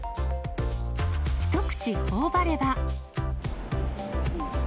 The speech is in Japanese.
一口ほおばれば。